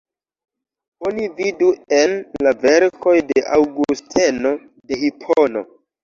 Oni vidu en la verkoj de Aŭgusteno de Hipono.